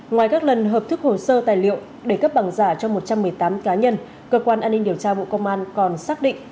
ngoài các lần hợp thức hồ sơ tài liệu để cấp bằng giả cho một trăm một mươi tám cá nhân cơ quan an ninh điều tra bộ công an còn xác định